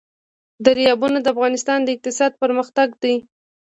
دریابونه د افغانستان د اقتصاد برخه ده.